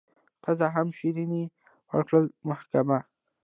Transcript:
ښځي هم شیریني ورکړله محکمه